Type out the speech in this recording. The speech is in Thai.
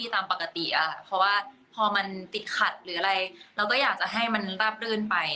ตกใจเหมือนกันไงพอไว้ป่าไว้